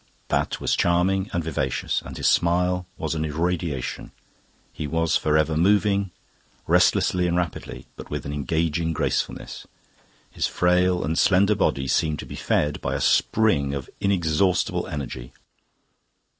That was charming and vivacious, and his smile was an irradiation. He was forever moving, restlessly and rapidly, but with an engaging gracefulness. His frail and slender body seemed to be fed by a spring of inexhaustible energy.